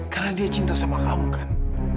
karena dia cinta sama kamu kan